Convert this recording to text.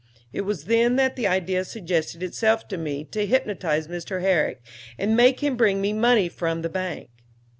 It was then the idea suggested itself to me to hypnotize Mr. Herrick and make him bring me money from the bank.